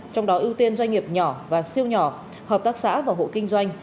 trong đó ưu tiên doanh nghiệp nhỏ và siêu nhỏ hợp tác xã và hộ kinh doanh